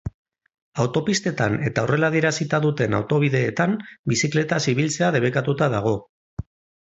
Autopistetan eta horrela adierazita duten autobideetan bizikletaz ibiltzea debekatuta dago.